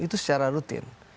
itu secara rutin